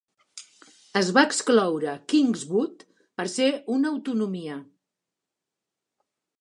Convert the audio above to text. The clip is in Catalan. Es va excloure Kingswood per ser una autonomia.